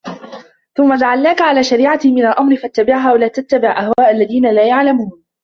ثُمَّ جَعَلناكَ عَلى شَريعَةٍ مِنَ الأَمرِ فَاتَّبِعها وَلا تَتَّبِع أَهواءَ الَّذينَ لا يَعلَمونَ